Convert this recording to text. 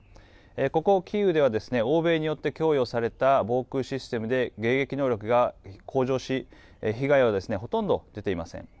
ここキーウでは、欧米によって供与された防空システムで迎撃能力が向上し、被害はほとんど出ていません。